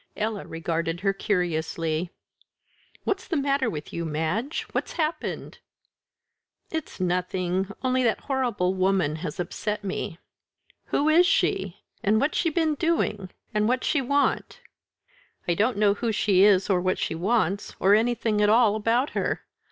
Ella regarded her curiously. "What's the matter with you, Madge? What's happened?" "It's nothing only that horrible woman has upset me." "Who is she? and what's she been doing? and what's she want?" "I don't know who she is, or what she wants, or anything at all about her.